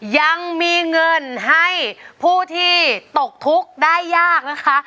ยังมีเงินให้ผู้ที่ตกทุกข์ได้ยากนะคะ